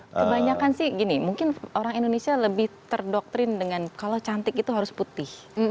kebanyakan sih gini mungkin orang indonesia lebih terdoktrin dengan kalau cantik itu harus putih